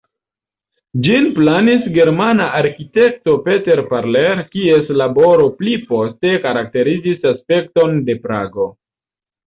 Ĝin planis germana arkitekto Peter Parler, kies laboro pli poste karakterizis aspekton de Prago.